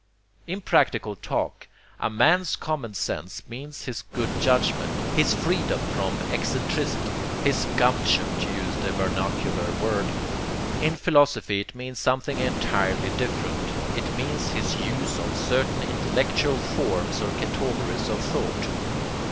In practical talk, a man's common sense means his good judgment, his freedom from excentricity, his GUMPTION, to use the vernacular word. In philosophy it means something entirely different, it means his use of certain intellectual forms or categories of thought.